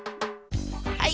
はい。